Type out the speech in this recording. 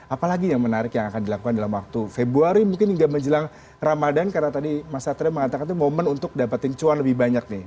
apalagi yang menarik yang akan dilakukan dalam waktu februari mungkin hingga menjelang ramadan karena tadi mas satria mengatakan itu momen untuk dapetin cuan lebih banyak nih